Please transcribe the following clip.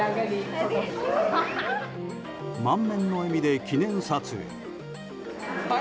満面の笑みで記念撮影。